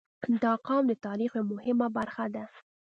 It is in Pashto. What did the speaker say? • دا قوم د تاریخ یوه مهمه برخه ده.